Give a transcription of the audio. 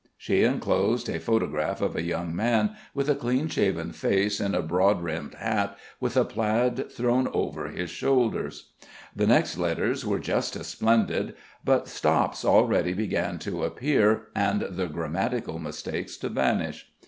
She enclosed a photograph of a young man with a clean shaven face, in a broad brimmed hat, with a plaid thrown over his shoulders. The next letters were just as splendid, but stops already began to appear and the grammatical mistakes to vanish.